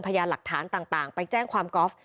พยานหลักฐานต่างไปแจ้งความกอล์ฟ